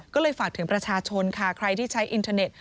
ก็เลยฝากถึงประชาชนค่ะใครที่ใช้อินเทอร์เน็ต